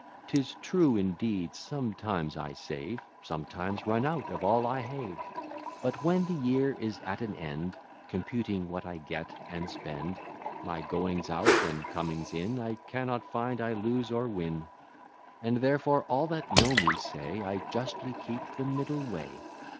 'Tis true, indeed, sometimes I save, Sometimes run out of all I have; But, when the year is at an end, Computing what I get and spend, My goings out, and comings in, I cannot find I lose or win; And therefore all that know me say, I justly keep the middle way.